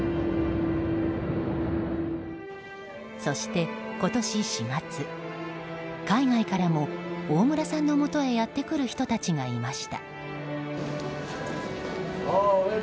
そして、今年４月海外からも大村さんのもとへやってくる人たちがいました。